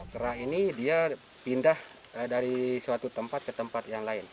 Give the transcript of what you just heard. kerak ini dia pindah dari suatu tempat ke tempat yang lain